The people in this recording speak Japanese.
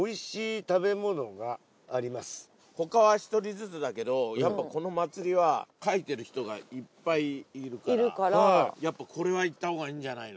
他は一人ずつだけどやっぱこの祭りは描いてる人がいっぱいいるからやっぱこれは行った方がいいんじゃないの？